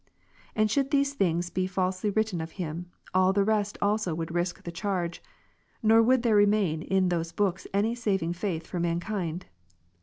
And should these things be falsely written of Him, all the rest also would risk the charge, nor would there remain in those books any saving faith for man kind.